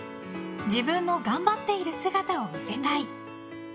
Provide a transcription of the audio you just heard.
自分の頑張っている姿を見せたい。